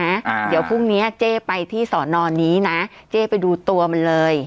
อ่าเดี๋ยวพรุ่งเนี้ยเจ๊ไปที่สอนอนนี้นะเจ๊ไปดูตัวมันเลย